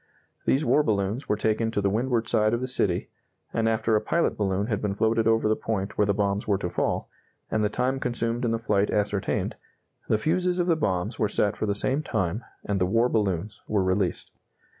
These war balloons were taken to the windward side of the city, and after a pilot balloon had been floated over the point where the bombs were to fall, and the time consumed in the flight ascertained, the fuses of the bombs were set for the same time, and the war balloons were released.